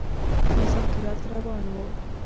مذاکرات روان وه.